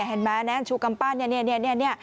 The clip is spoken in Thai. แฮนแม่แนนชูกัมปั้น